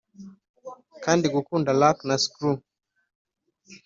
kandi gukunda rack na screw.